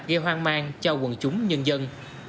gây hoang mang cho quần chúng nhân dân